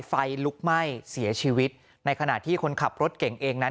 ไฟลุกไหม้เสียชีวิตในขณะที่คนขับรถเก่งเองนั้น